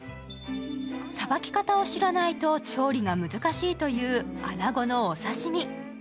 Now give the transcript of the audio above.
さばき方を知らないと調理が難しいという穴子のお刺身。